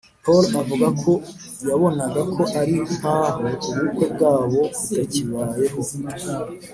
Paul avuga ko yabonaga ko ari nkaho ubukwe bwabo butakibayeho,